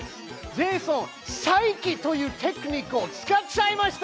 ジェイソン「再帰」というテクニックを使っちゃいました！